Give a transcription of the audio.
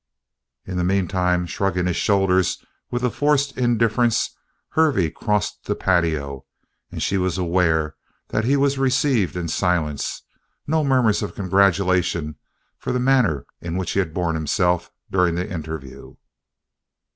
In the meantime, shrugging his shoulders with a forced indifference, Hervey crossed the patio and she was aware that he was received in silence no murmurs of congratulation for the manner in which he had borne himself during the interview.